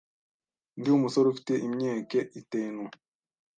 Ndi umusore ufite imyeke itenu.